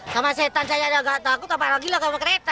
sama setan saya tidak ada takut apa lagi lah sama kereta